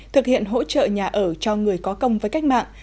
thực hiện hỗ trợ nhà ở cho người có công với cách mạng